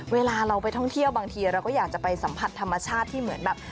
เวลาเราไปท่องเที่ยวบางทีเราก็อยากจะไปสัมผัสธรรมชาติที่เหมือนแบบ